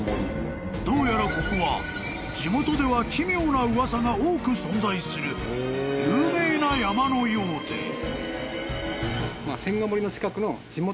［どうやらここは地元では奇妙な噂が多く存在する有名な山のようで］